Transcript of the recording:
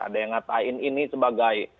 ada yang ngatain ini sebagai